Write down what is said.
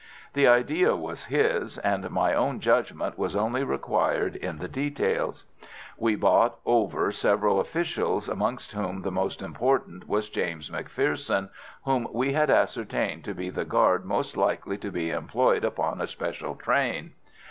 The idea was his, and my own judgment was only required in the details. We bought over several officials, amongst whom the most important was James McPherson, whom we had ascertained to be the guard most likely to be employed upon a special train.